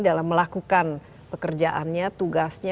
dalam melakukan pekerjaannya tugasnya